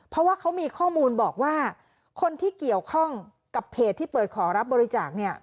เพราะว่าเขามีข้อมูลบอกว่าคนที่เกี่ยวข้องกับเพจที่เปิดขอรับบริจาคเนี่ย